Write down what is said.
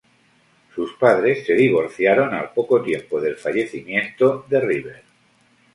Sus padres se divorciaron al poco tiempo del fallecimiento de River.